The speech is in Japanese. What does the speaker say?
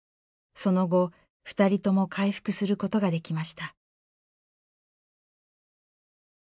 その後２人とも回復することができました。